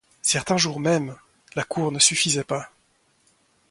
Certains jours même, la cour ne suffisait pas.